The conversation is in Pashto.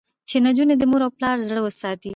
چې نجونې د مور او پلار زړه وساتي.